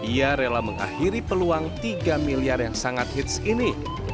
ia rela mengakhiri peluang tiga miliar yang sangat hits ini